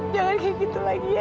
jangan kayak gitu lagi ya